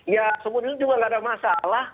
ya sebetulnya juga nggak ada masalah